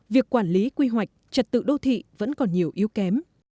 việc quản lý quy hoạch trật tự đô thị vẫn còn nhiều yếu kém